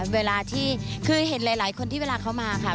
เวลาที่คือเห็นหลายคนที่เวลาเขามาค่ะ